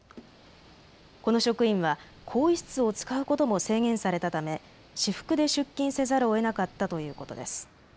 この職員は更衣室を使うことも制限されたため私服で出勤せざるをえなかったということです。